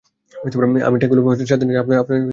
আমি ট্যাঙ্কগুলো নিয়ে এসে আপনাদের সাথে ওখানেই দেখা করবো।